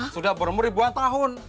sudah berumur ribuan tahun